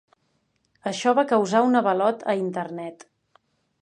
Això va causar un avalot a Internet.